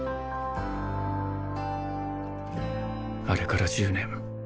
あれから１０年